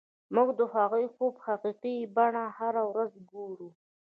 موږ د هغوی د خوب حقیقي بڼه هره ورځ ګورو